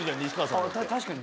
確かに。